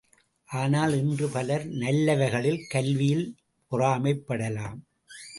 ஆனால் இன்று பலர் நல்லவைகளில் கல்வியில் பொறாமைப்படலாம்.